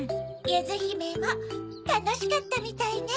ゆずひめもたのしかったみたいね。